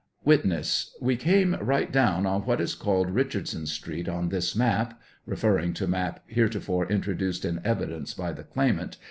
94 Witness. We came right down on what is called Eichardson street on this map, (referring to. map here tofore introduced in evidence by the claimant